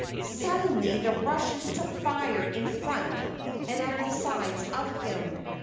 Suddenly the rushes took fire in front and at the sides of him.